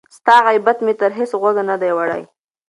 ستا غیبت مي تر هیڅ غوږه نه دی وړی